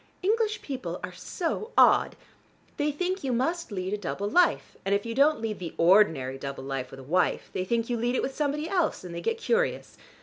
English people are so odd: they think you must lead a double life, and if you don't lead the ordinary double life with a wife, they think you lead it with somebody else and they get curious.